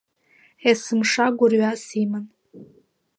Есымша гәырҩас иман.